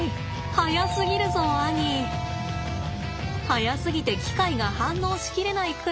速すぎて機械が反応し切れないくらいです。